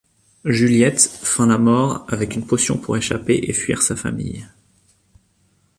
Juliette feint la mort avec une potion pour échapper et fuir sa famille.